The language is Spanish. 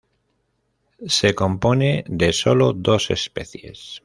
Se compone de sólo dos especies.